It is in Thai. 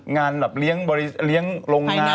งานแบบเลี้ยงโรงงาน